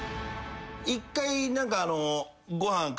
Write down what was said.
一回何かご飯。